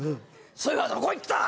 そういえばどこ行った？